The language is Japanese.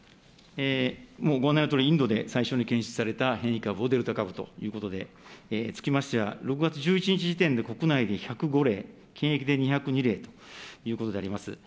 もうご案内のとおり、インドで最初に検出された変異株をデルタ株ということで、つきましては、６月１１日時点で国内で１０５例、検疫で２０２例ということであります。